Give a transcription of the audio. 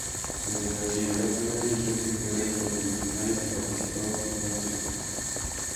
Desde el bachillerato ya dirigía actividades revolucionarias y participaba activamente en ellas.